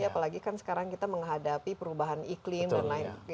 apalagi kan sekarang kita menghadapi perubahan iklim dan lain sebagainya